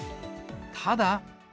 ただ。